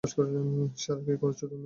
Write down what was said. সারা, কি করছো তুমি?